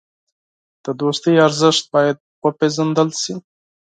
د دوستۍ ارزښت باید وپېژندل شي.